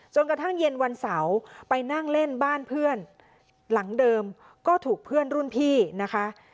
กระทั่งเย็นวันเสาร์ไปนั่งเล่นบ้านเพื่อนหลังเดิมก็ถูกเพื่อนรุ่นพี่นะคะ